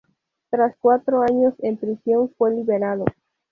Tras cuatro años en prisión, fue liberado.